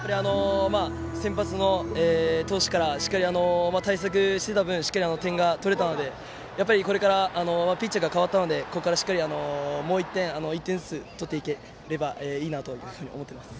先発の投手から対策していた分しっかり点が取れたのでピッチャーが代わったのでここからしっかりもう１点ずつ取っていければいいなと思っています。